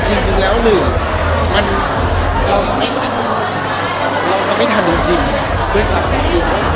จริงแล้วหนึ่งเราทำไม่ทันจริงด้วยความใจจริง